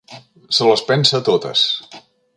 Se les pensa totes!